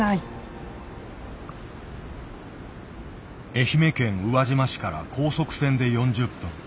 愛媛県宇和島市から高速船で４０分。